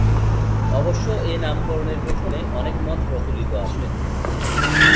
অবশ্য এ নামকরণের পেছনে অনেক মত প্রচলিত আছে।